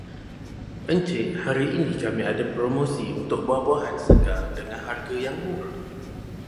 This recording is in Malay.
Encik, hari ini kami ada promosi untuk buah-buahan segar dengan harga yang murah.